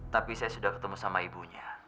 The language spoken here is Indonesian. tapi saya sudah ketemu sama ibunya